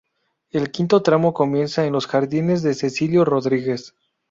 El quinto tramo comienza en los Jardines de Cecilio Rodríguez.